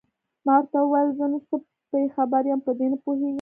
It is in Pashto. ما ورته وویل: زه نو څه په خبر یم، په دې نه پوهېږم.